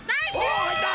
おはいった！